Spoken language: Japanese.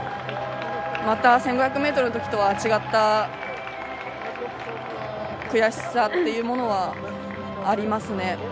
また１５００ｍの時とは違った悔しさというものはありますね。